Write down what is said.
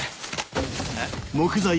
えっ？